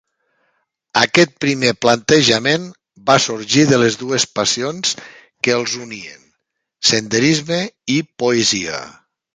Aquest primer plantejament va sorgir de les dues passions que els unien: senderisme i poesia.